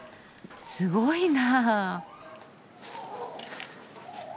すごいな。